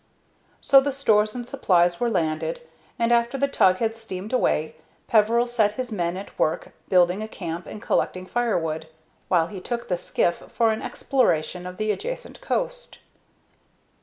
So the stores and supplies were landed, and, after the tug had steamed away, Peveril set his men at work building a camp and collecting firewood, while he took the skiff for an exploration of the adjacent coast.